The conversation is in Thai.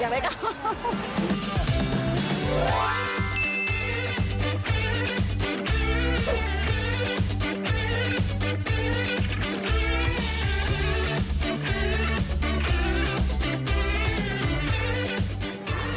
อยากได้ข้าว